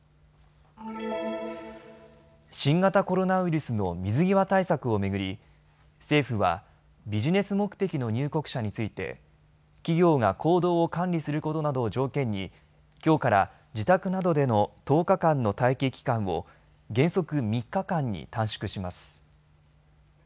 新型コロナウイルスの水際対策を巡り、政府はビジネス目的の入国者について企業が行動を管理することなどを条件にきょうから自宅などでの１０日間の待機期間を原則３日間に短縮します。